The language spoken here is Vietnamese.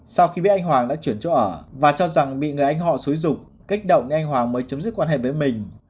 sau khi biết anh hoàng đã chuyển chỗ ở và cho rằng bị người anh họ xúi rục kích động anh hoàng mới chấm dứt quan hệ với mình